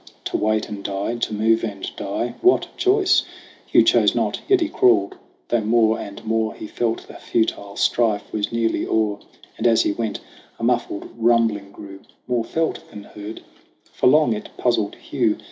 To wait and die, to move and die what choice ? Hugh chose not, yet he crawled; though more and more He felt the futile strife was nearly o'er. And as he went, a muffled rumbling grew, More felt than heard ; for long it puzzled Hugh.